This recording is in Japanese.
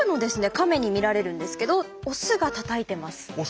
カメに見られるんですけどオスがたたいてます。